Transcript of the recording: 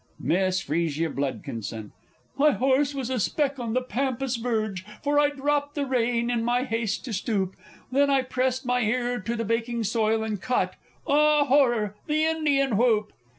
MISS F. B. My horse was a speck on the pampas' verge, for I dropped the rein in my haste to stoop; Then I pressed my ear to the baking soil and caught ah, horror the Indian whoop!